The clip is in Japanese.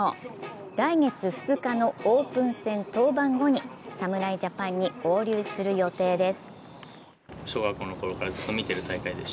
来月２日のオープン戦登板後に侍ジャパンに合流する予定です。